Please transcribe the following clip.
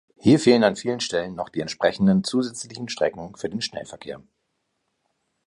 Hier fehlen an vielen Stellen noch die entsprechenden zusätzlichen Strecken für den Schnellverkehr.